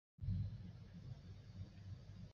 通常在样品处透射的激发光是反射光的千百倍。